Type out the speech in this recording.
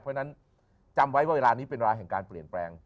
เพราะฉะนั้นจำไว้ว่าเวลานี้เป็นเวลาแห่งการเปลี่ยนแปลง